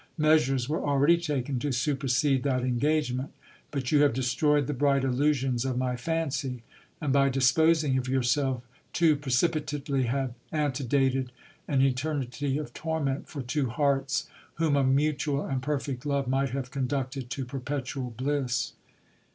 Measures were already taken to supersede that engagement, but you have destroyed the bright illusions of my fancy ; and, by disposing of yourself too precipitately, have ante dated an eternity of torment for two hearts, whom a mutual and perfect love might have conducted to perpetual bliss.